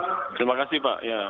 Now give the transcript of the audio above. terima kasih pak ya